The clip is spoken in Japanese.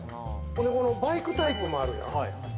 バイクタイプもあるやん。